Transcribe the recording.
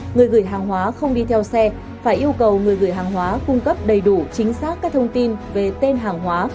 người gửi hàng hóa không đi theo xe phải yêu cầu người gửi hàng hóa cung cấp đầy đủ chính xác các thông tin về tên hàng hóa